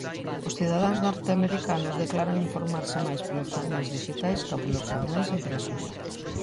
Os cidadáns norteamericanos declaran informarse máis polos xornais dixitais ca polos xornais impresos.